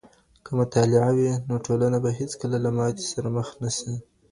که مطالعه وي، نو ټولنه به هيڅکله له ماتي سره مخ نسي.